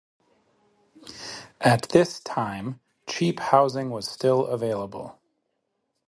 At this time, cheap housing was still available.